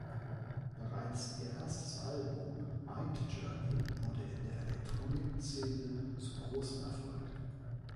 Bereits ihr erstes Album "Mind Journey" wurde in der Elektronik-Szene zum großen Erfolg.